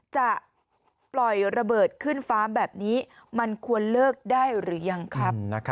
จะปล่อยระเบิดขึ้นฟ้าแบบนี้มันควรเลิกได้หรือยังครับ